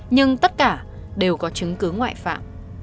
nhưng tất cả đều có chứng cứ ngoại phạm